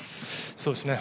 そうですね。